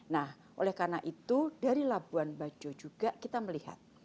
nah oleh karena itu dari labuan bajo juga kita melihat